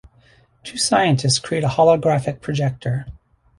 Two scientists create a holographic projector.